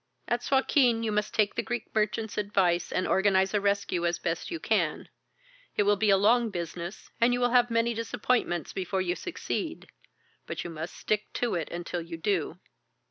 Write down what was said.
"At Suakin you must take the Greek merchant's advice and organise a rescue as best you can. It will be a long business, and you will have many disappointments before you succeed. But you must stick to it until you do."